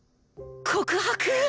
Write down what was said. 告白！？